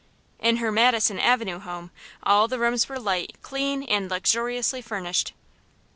In her Madison Avenue home all the rooms were light, clean and luxuriously furnished.